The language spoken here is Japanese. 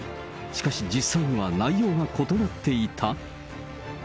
しかし実際には内容が異なっていた？